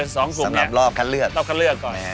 สำหรับรอบคัดเลือก